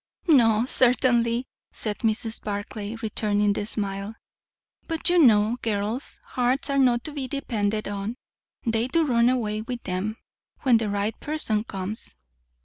"No, certainly," said Mrs. Barclay, returning the smile; "but you know, girls' hearts are not to be depended on. They do run away with them, when the right person comes."